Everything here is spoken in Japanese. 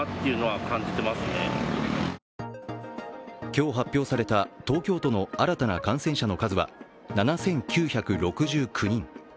今日発表された東京都の新たな感染者の数は７９６９人。